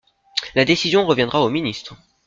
La décision reviendra au ministre.